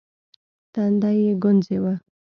تندی يې ګونجې و.